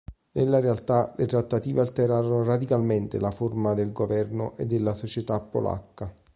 Nella realtà, le trattative alterarono radicalmente la forma del governo e della società polacca.